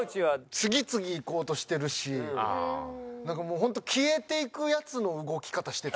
次々いこうとしてるしなんかもう本当消えていくヤツの動き方してた。